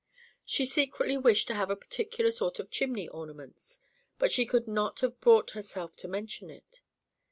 She secretly wished to have a particular sort of chimney ornaments, but she could not have brought herself to mention it.